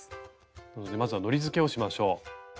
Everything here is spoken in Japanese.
なのでまずはのりづけをしましょう。